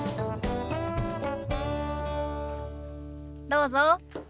どうぞ。